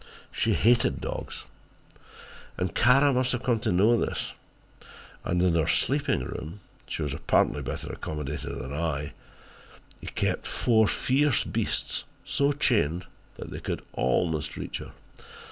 She hated dogs, and Kara must have come to know this and in her sleeping room she was apparently better accommodated than I he kept four fierce beasts so chained that they could almost reach her.